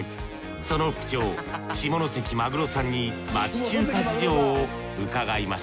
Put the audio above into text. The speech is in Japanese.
その副長下関マグロさんに町中華事情を伺いました